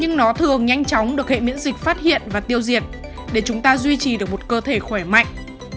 nhưng nó thường nhanh chóng được hệ miễn dịch phát hiện và tiêu diệt để chúng ta duy trì được một cơ thể khỏe mạnh